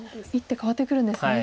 １手変わってくるんですね。